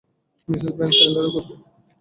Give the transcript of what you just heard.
Mrs Van শাইলারের কক্ষে।